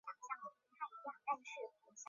现任校长高海燕。